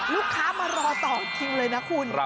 ลูกค้ามารอต่อคิวเลยนะคุณ